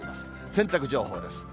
洗濯情報です。